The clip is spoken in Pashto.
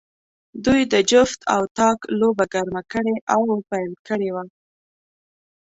دوی د جفت او طاق لوبه ګرمه کړې او پیل کړې وه.